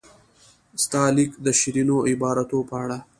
ستا لیک د شیرینو عباراتو په اړه.